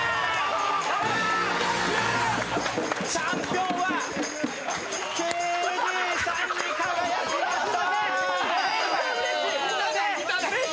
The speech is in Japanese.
チャンピオンはＫＺさんに輝きました！